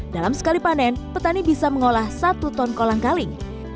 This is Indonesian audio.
dalam sekali panen petani bisa mengolah satu ton kolang kaling